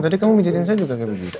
tadi kamu mikirin saya juga kayak begitu